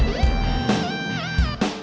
udah berhari nih